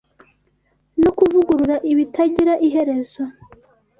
no kuvugurura bitagira iherezo.